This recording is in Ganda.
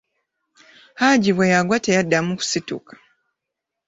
Haji bwe yagwa teyaddamu kusituka.